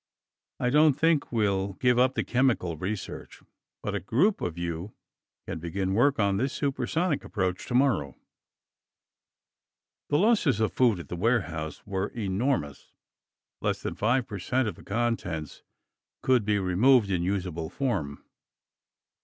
I don't think we'll give up the chemical research, but a group of you can begin work on this supersonic approach tomorrow." The losses of food at the warehouse were enormous. Less than 5 percent of the contents could be removed in usable form.